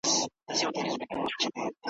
په دې کورکي رنګ په رنګ وه سامانونه `